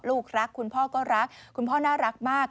ลูกรักคุณพ่อก็รักคุณพ่อน่ารักมาก